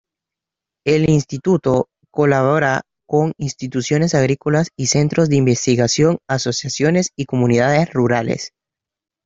El Instituto colabora con instituciones agrícolas y centros de investigación, asociaciones y comunidades rurales.